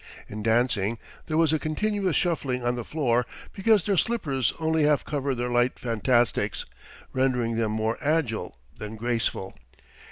In dancing there was a continuous shuffling on the floor because their slippers only half covered their light fantastics, rendering them more agile than graceful.